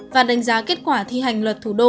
và đánh giá kết quả thi hành luật thủ đô